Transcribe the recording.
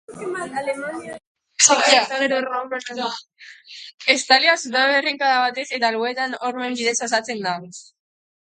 Estalia, zutabe errenkada batez eta alboetan hormen bidez osatzen da.